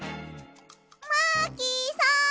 マーキーさん！